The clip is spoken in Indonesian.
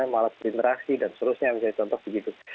malah generasi dan seterusnya misalnya contoh begitu